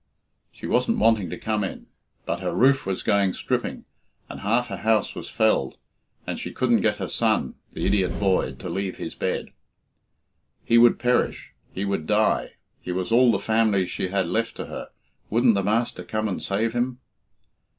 She wasn't wanting to come in. But her roof was going stripping, and half her house was felled, and she couldn't get her son (the idiot boy) to leave his bed. He would perish; he would die; he was all the family she had left to her wouldn't the master come and save him?